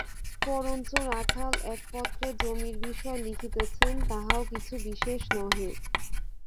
পরঞ্চ রাখাল এক পত্রে জমির বিষয় লিখিতেছেন, তাহাও কিছু বিশেষ নহে।